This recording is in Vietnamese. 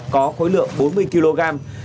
có khối lượng bốn mươi kg